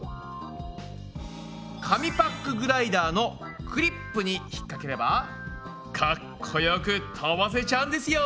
紙パックグライダーのクリップにひっかければかっこよく飛ばせちゃうんですよ。